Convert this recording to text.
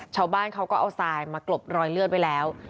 ชาวบ้านเขาก็เอาทรายมากลบรอยเลือดไว้แล้ว